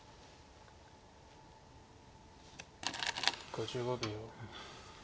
５５秒。